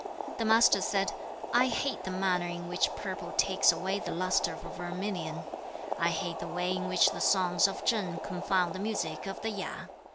The Master said, 'I hate the manner in which purple takes away the luster of vermilion. I hate the way in which the songs of Chang confound the music of the Ya.